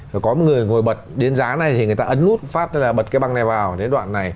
và có một người ngồi bật đến giá này thì người ta ấn nút phát ra bật cái băng này vào đến đoạn này